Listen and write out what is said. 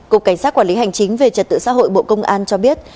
cục cảnh sát quản lý hành chính về trật tự xã hội bộ công an cho biết